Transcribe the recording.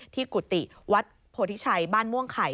กุฏิวัดโพธิชัยบ้านม่วงไข่